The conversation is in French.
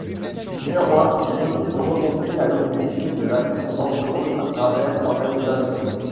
Néanmoins, il est possible de remonter à l’origine de l’action dangereuse à travers l’organisation.